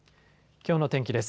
きょうの天気です。